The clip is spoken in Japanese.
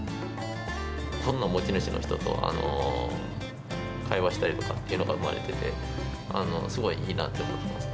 本の持ち主の人と会話したりとかっていうのが生まれてて、すごいいいなと思ってますね。